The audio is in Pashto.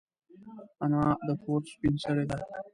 انا د کور سپین سرې ده